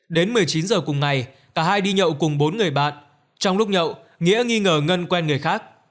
đến một mươi chín h cùng ngày cả hai đi nhậu cùng bốn người bạn trong lúc nhậu nghĩa nghi ngờ ngân quen người khác